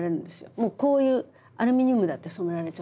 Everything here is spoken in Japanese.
もうこういうアルミニウムだって染められちゃうんですよ。